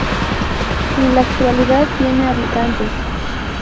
En la actualidad tiene habitantes.